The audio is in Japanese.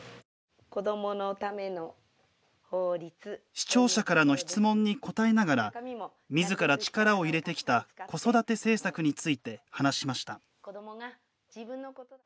視聴者からの質問に答えながらみずから力を入れてきた子育て政策について話しました。